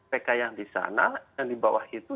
pk yang di sana yang di bawah itu